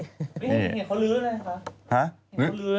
เห็นเขาลื้อเลย